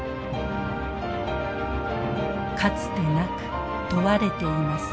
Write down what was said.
かつてなく問われています。